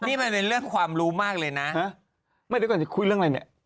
นี่มันเป็นเรื่องความรู้มากเลยนะไม่รู้ก่อนจะคุยเรื่องอะไรเนี่ย